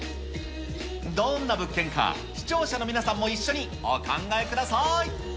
どんな物件か、視聴者の皆さんも一緒にお考えください。